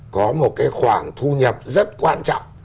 có một cái khoản thu nhập rất quan trọng